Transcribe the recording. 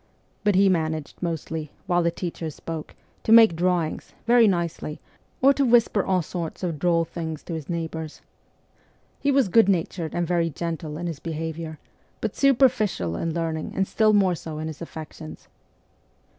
But he managed mostly, while the teacher spoke, to make drawings, very nicely, or to whisper all sorts of droll things to his neighbours. He was good natured and very gentle in his behaviour, but superficial in learning and still more so in his affections.